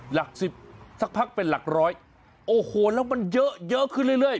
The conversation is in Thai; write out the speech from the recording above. หลักสิบสักพักเป็นหลักร้อยโอ้โหแล้วมันเยอะเยอะขึ้นเรื่อย